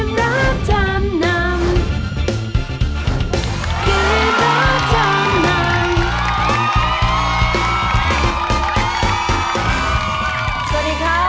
สวัสดีครับสวัสดีค่ะ